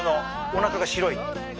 おなかが白い。